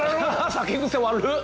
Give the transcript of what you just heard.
酒癖悪っ！